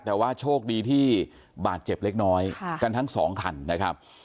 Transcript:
แต่ว่าโชคดีที่บาดเจ็บเล็กน้อยกันทั้งสองคันนะครับ